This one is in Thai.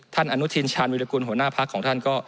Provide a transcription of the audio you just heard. ท่านอนุทินชาญวิรกุลหัวหน้าพรรคของท่านก็